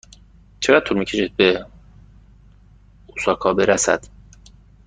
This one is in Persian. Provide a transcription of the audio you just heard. چقدر طول می کشد به اوساکا برسد؟